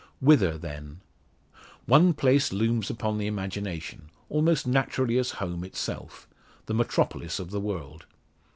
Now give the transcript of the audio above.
Whither then? One place looms upon the imagination almost naturally as home itself the metropolis of the world.